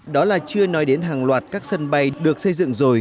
đó là chưa nói đến hàng loạt các sân bay được xây dựng rồi